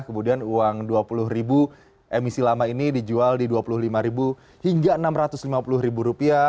kemudian uang dua puluh ribu emisi lama ini dijual di dua puluh lima ribu hingga enam ratus lima puluh ribu rupiah